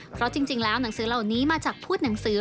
เพราะจริงแล้วหนังสือเหล่านี้มาจากพูดหนังสือ